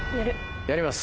やります！